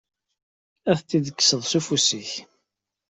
Ad t-id-kkseḍ s ufus-ik.